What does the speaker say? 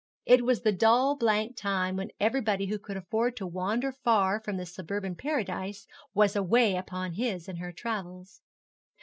It was the dull blank time when everybody who could afford to wander far from this suburban paradise, was away upon his and her travels.